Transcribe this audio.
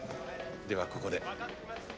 ではここで。